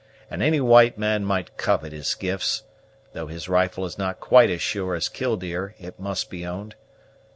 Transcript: and any white man might covet his gifts, though his rifle is not quite as sure as Killdeer, it must be owned.